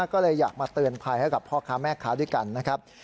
ก็เลยอยากมาเตือนภัยให้กับพ่อค้าแม่ค้าด้วยกันนะครับ